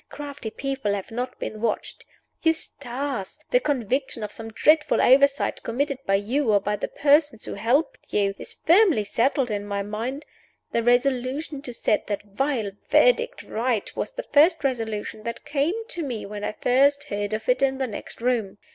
Crafty people have not been watched. Eustace! the conviction of some dreadful oversight, committed by you or by the persons who helped you, is firmly settled in my mind. The resolution to set that vile Verdict right was the first resolution that came to me when I first heard of it in the next room.